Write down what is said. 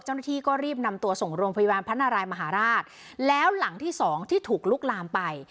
เจ้าหน้าที่ก็รีบนำตัวส่งโรงพยาบาลพระนารายมหาราชแล้วหลังที่สองที่ถูกลุกลามไป